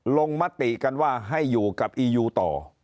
มติกันว่าให้อยู่กับอียูต่อ